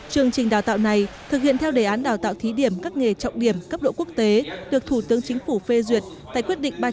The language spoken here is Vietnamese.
chương trình đào tạo này thực hiện theo đề án đào tạo thí điểm các nghề trọng điểm cấp độ quốc tế được thủ tướng chính phủ phê duyệt tại quyết định ba trăm bảy mươi một năm hai nghìn một mươi ba